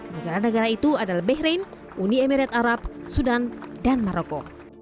negara negara itu adalah behrain uni emirat arab sudan dan maroko